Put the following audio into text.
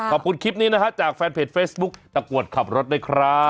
ขอบคุณคลิปนี้นะฮะจากแฟนเพจเฟซบุ๊คตะกรวดขับรถด้วยครับ